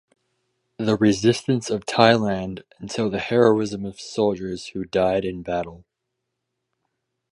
The resistance of Thailand until the heroism of soldiers who died in battle.